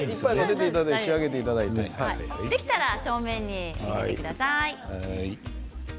できたら正面に向けてください。